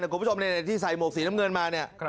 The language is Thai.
คุณผู้ชมที่ใส่หมวกสีน้ำเงินมาเนี่ย